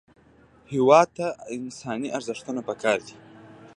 هېواد ته انساني ارزښتونه پکار دي